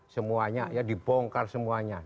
semuanya ya dibongkar semuanya